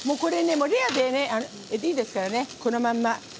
レアでいいですからねこのまま。